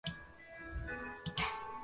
该建筑系两栋单独的房子合并而成。